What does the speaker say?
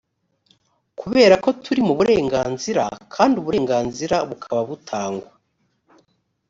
kubera ko turi mu burenganzira kandi uburenganzira bukaba butangwa